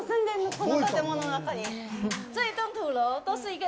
この建物の中に。